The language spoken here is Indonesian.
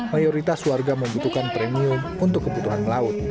mayoritas warga membutuhkan premium untuk kebutuhan melaut